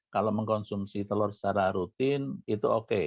kalau mengkonsumsi telur secara rutin itu oke